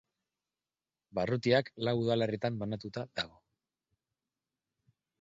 Barrutiak lau udalerritan banatuta dago.